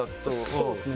そうですね。